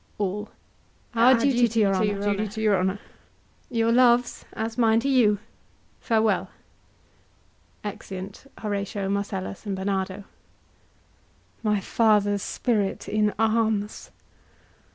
ALL. Our duty to your honour. HAMLET. Your loves, as mine to you: farewell. [Exeunt Horatio, Marcellus and Barnardo.] My father's spirit in arms!